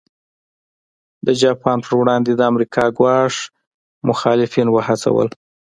د جاپان پر وړاندې د امریکا ګواښ مخالفین وهڅول.